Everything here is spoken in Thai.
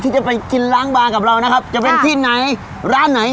ที่จะไปกินล้างบางกับเรานะครับจะเป็นที่ไหนร้านไหน